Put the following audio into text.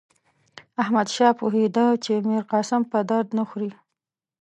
احمدشاه پوهېدی چې میرقاسم په درد نه خوري.